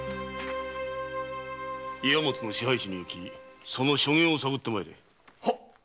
岩松の支配地に行きその所業を探ってまいれ。